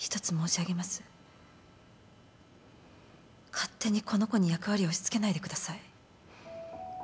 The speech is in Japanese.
勝手にこの子に役割を押し付けないでください。